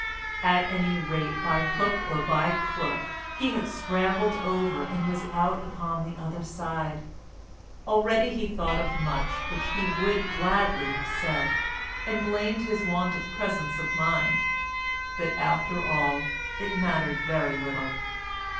At any rate, by hook or by crook, he had scrambled over, and was out upon the other side. Already he thought of much which he would gladly have said, and blamed his want of presence of mind; but, after all, it mattered very little.